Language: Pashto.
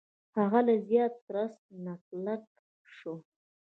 هغه له زیات ترس نه کلک شو.